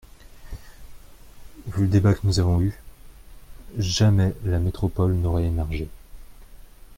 Vu le débat que nous avons eu, jamais la métropole n’aurait émergé.